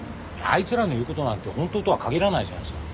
あいつらの言う事なんて本当とは限らないじゃないですか。